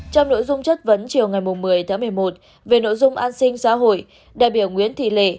trong nội dung chất vấn chiều ngày một mươi tháng một mươi một về nội dung an sinh xã hội đại biểu nguyễn thị lệ